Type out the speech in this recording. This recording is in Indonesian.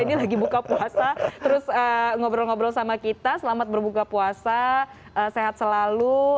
nah terima kasih pak